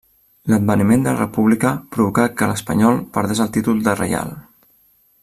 L'adveniment de la República provocà que l'Espanyol perdés el títol de Reial.